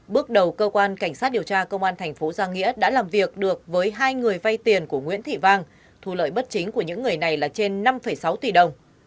bước đầu cơ quan cảnh sát điều tra công an thành phố giang nghĩa đã làm việc được với hai người vay tiền của nguyễn thị vang thu lợi bất chính của những người này là trên năm sáu tỷ đồng